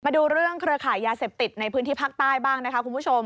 ดูเรื่องเครือขายยาเสพติดในพื้นที่ภาคใต้บ้างนะคะคุณผู้ชม